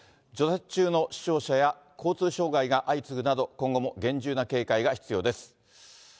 除雪中の死傷者や交通障害が相次ぐなど、今後も厳重な警戒が必要です。